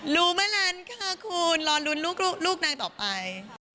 รู้ไม่นั้นค่ะคุณรอลุ้นลูกนางต่อไป